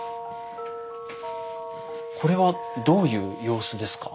これはどういう様子ですか？